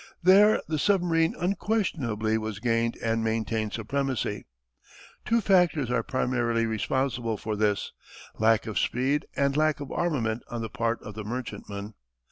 There the submarine unquestionably has gained and maintained supremacy. Two factors are primarily responsible for this: lack of speed and lack of armament on the part of the merchantman.